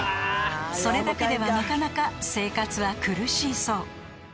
［それだけではなかなか生活は苦しいそう］